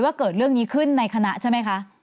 เกิดเรื่องนี้ขึ้นในคณะใช่ไหมคะ